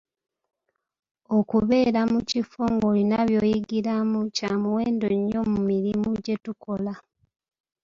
Okubeera mu kifo ng'olina by'oyigiramu kya muwendo nnyo mu mirimu gye tukola.